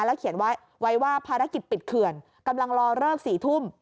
เขียนไว้ว่าภารกิจปิดเขื่อนกำลังรอเลิก๔ทุ่ม